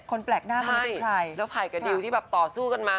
คนแปลกหน้ามันเป็นใครใช่แล้วไภกับดิวที่ต่อสู้กันมา